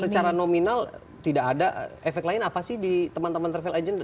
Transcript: secara nominal tidak ada efek lain apa sih di teman teman travel agent